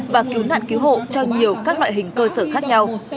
và cứu nạn cứu hộ cho nhiều các loại hình cơ sở khác nhau